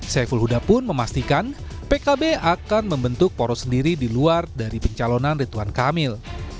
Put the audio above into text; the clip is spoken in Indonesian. saiful huda pun memastikan pkb akan membentuk poros sendiri di luar dari pencalonan rituan kamil